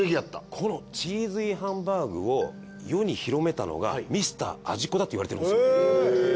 このチーズインハンバーグを世に広めたのが『ミスター味っ子』だっていわれてるんですよ。